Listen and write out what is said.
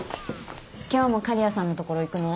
今日も刈谷さんのところ行くの？